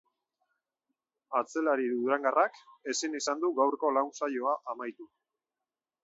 Atzelari durangarrak ezin izan du gaurko lan saioa amaitu.